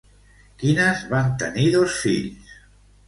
Quines van tenir dos fills?